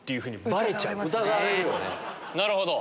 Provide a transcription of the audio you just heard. なるほど！